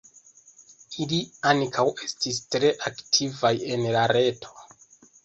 Ili ankaŭ estis tre aktivaj en la reto.